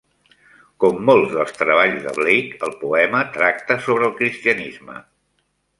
Com molts dels treballs de Blake, el poema tracta sobre el cristianisme.